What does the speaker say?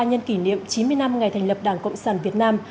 nhân kỷ niệm chín mươi năm ngày thành lập đảng cộng sản việt nam